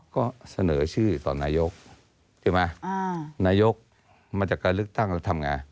ก็เสนอชื่อต่อนายกใช่ไหมนายกมาจากการเลือกตั้งแล้วทำไง